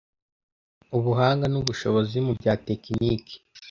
ubuhanga n ubushobozi mu bya tekiniki